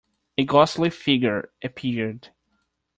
A ghostly figure appeared.